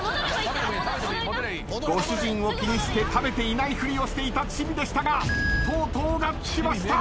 ご主人を気にして食べていないふりをしていたチビでしたがとうとうがっつきました。